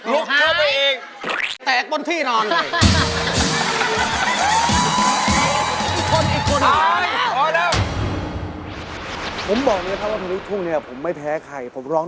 เรียกแล้วหายลุกเข้าไปเอง